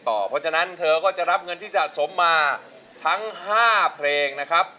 เพราะฉะนั้นเธอก็จะรับเงินที่สะสมมาทั้ง๕เพลงนะครับ